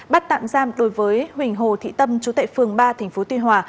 bắt tạm giam đối với huỳnh hồ thị tâm chú tệ phường ba tp tuy hòa